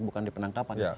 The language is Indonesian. bukan di penangkapan